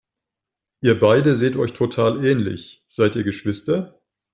Ihr beide seht euch total ähnlich, seid ihr Geschwister?